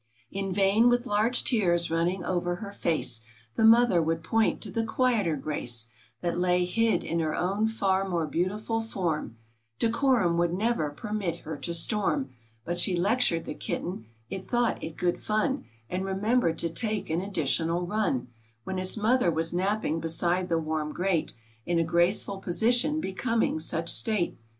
In vain with large tears running over her face, The Mother would point to the quieter grace, That lay hid in her own far more beautiful form ; Decorum would never permit her to storm, But she lectured the Kitten; it thought it good fun, And remembered to take an additional run When its Mother was napping beside the warm grate, In a graceful position becoming such state.